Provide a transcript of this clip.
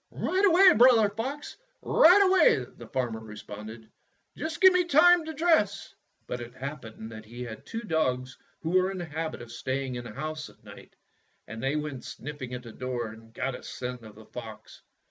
''Right away. Brother Fox, right away," the farmer responded. "Just give me time to dress." But it happened that he had two dogs who were in the habit of staying in the house at night, and they went sniffing at the door and got a scent of the fox.